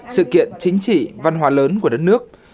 sự kiện chính trị văn hóa lớn của đất nước